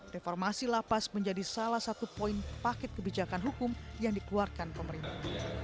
reformasi lapas menjadi salah satu poin paket kebijakan hukum yang dikeluarkan pemerintah